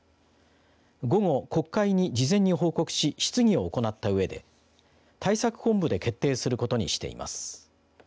午後、国会に事前に報告し質疑を行ったうえで対策本部で決定することにしています。